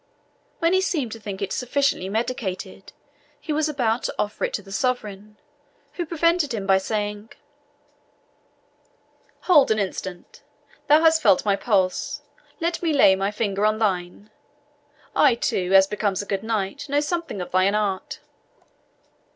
When he seemed to think it sufficiently medicated, he was about to offer it to the sovereign, who prevented him by saying, "Hold an instant. Thou hast felt my pulse let me lay my finger on thine. I too, as becomes a good knight, know something of thine art."